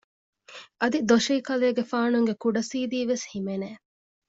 އަދި ދޮށީކަލޭގެފާނުންގެ ކުޑަސީދީ ވެސް ހިމެނެ